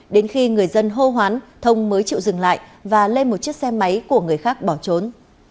đến khi người dân hô hoán thông mới chịu dừng lại và lên một chiếc xe máy của người khác bỏ trốn